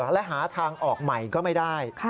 และหาทางออกใหม่ก็ไม่ได้